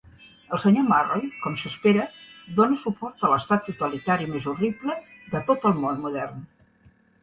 El senyor Murray, com s'espera, dona suport a l'estat totalitari més horrible de tot el món modern.